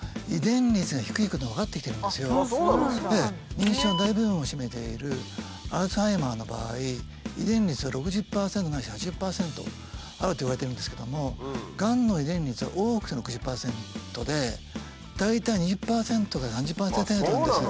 認知症の大部分を占めているアルツハイマーの場合遺伝率は６０％ないし８０％あるといわれてるんですけどもがんの遺伝率は多くても６０％で大体２０％から３０％程度なんですよ。